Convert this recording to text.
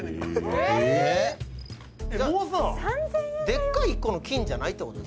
「でっかい一個の金じゃないって事？」